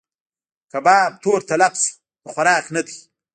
کباب تور تلب شو؛ د خوراک نه دی.